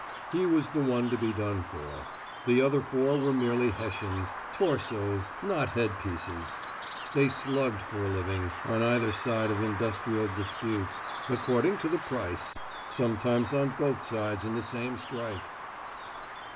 He was the one to be done for. The other four were merely Hessians, torsos, not headpieces. They slugged for a living, on either side of industrial disputes, according to the price sometimes on both sides in the same strike.